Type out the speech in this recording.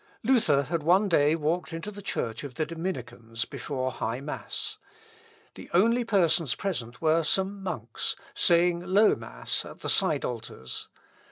Luther had one day walked into the church of the Dominicans, before high mass. The only persons present were some monks, saying low mass at the side altars.